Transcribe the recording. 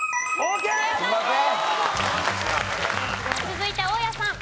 続いて大家さん。